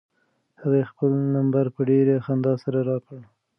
هغې خپل نمبر په ډېرې خندا سره راکړ.